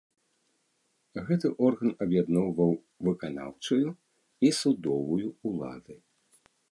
Гэты орган аб'ядноўваў выканаўчую і судовую ўлады.